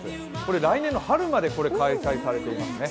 来年の春まで開催されています。